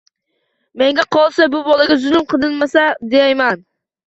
Menga qolsa, bu bolaga zulm qilinmasa deyman.